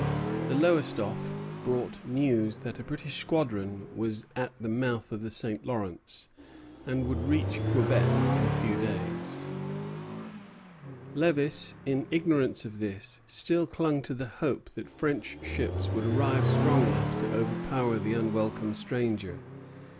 The "Lowestoffe" brought news that a British squadron was at the mouth of the St. Lawrence, and would reach Quebec in a few days. Thompson in Revue Canadienne, IV. 866. Lévis, in ignorance of this, still clung to the hope that French ships would arrive strong enough to overpower the unwelcome stranger.